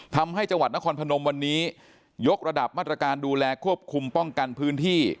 ทำให้จังหวัดนครพนมวันนี้ยกระดับมาตรการดูแลควบคุมป้องกันพื้นที่